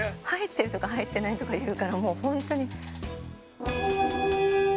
入ってるとか入ってないとか言うからもう本当に。